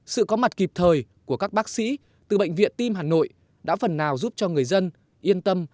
sự có mặt kịp thời của các bác sĩ từ bệnh viện tim hà nội đã phần nào giúp cho người dân yên tâm